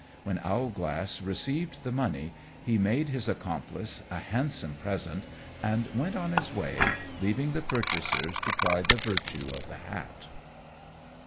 When Owlglass received the money he made his accomplice a handsome present and went on his way, leaving the purchasers to try the virtue of the hat.